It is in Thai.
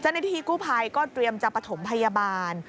เจ้าหน้าที่กู้ภัยก็เตรียมจะประถมพยาบาล